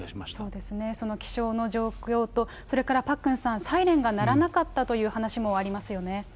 そうですね、その気象の状況と、それからパックンさん、サイレンが鳴らなかったという話もありますよね。